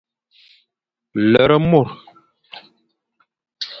Lere mor.